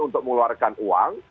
untuk mengeluarkan uang